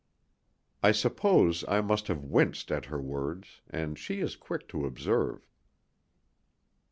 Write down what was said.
I suppose I must have winced at her words, and she is quick to observe.